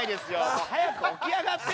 もう早く起き上がって！